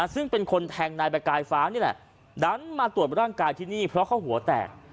ซึ่งเป็นคนแทงนายประกายฟ้านี่แหละดันมาตรวจร่างกายที่นี่เพราะเขาหัวแตก